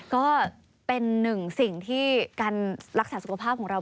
ก็เป็นหนึ่งสิ่งที่การรักษาสุขภาพของเรา